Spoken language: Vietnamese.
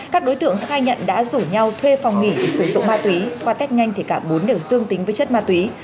các đối tượng khai nhận đã rủ nhau thuê phòng nghỉ để sử dụng ma túy qua test nhanh thì cả bốn đều dương tính với chất ma túy